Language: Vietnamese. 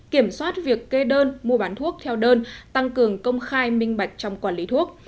kiểm soát việc kê đơn mua bán thuốc theo đơn tăng cường công khai minh bạch trong quản lý thuốc